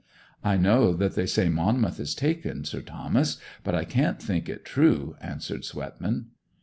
'I know that they say Monmouth is taken, Sir Thomas, but I can't think it true,' answered Swetman.